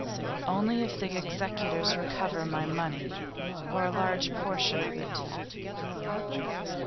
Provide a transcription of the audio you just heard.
'Only if the executors recover my money, or a large portion of it.